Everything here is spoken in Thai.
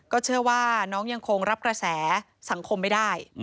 เชื่อว่าน้องยังคงรับกระแสสังคมไม่ได้